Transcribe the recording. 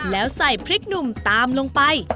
แล้วใส่พริกหนุ่มตามลงไป